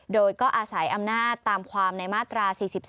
โดยก็อาศัยอำนาจตามความในมาตรา๔๔